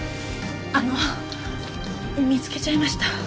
あの見つけちゃいました。